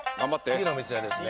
次の店はですね。